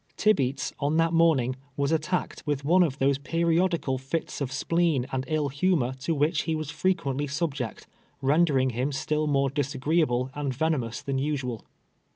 Tibeats, on that morning, was attacked with one of those periodical fits of spleen and ill humor to whicli he was frerpiently subject, rendering him still more disagreeable and venomous than usual.